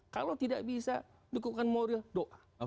kalau tidak bisa dukungan moral doa